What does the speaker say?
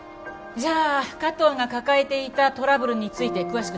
じゃあ加藤が抱えていたトラブルについて詳しく調べて。